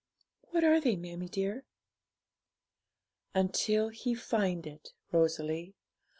'What are they, mammie dear?' '"Until He find it," Rosalie.